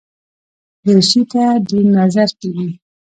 دریشي ته دروند نظر کېږي.